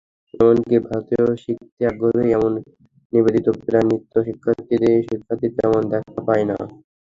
এমনকি ভারতেও শিখতে আগ্রহী এমন নিবেদিতপ্রাণ নৃত্য শিক্ষার্থীর তেমন দেখা পাই না।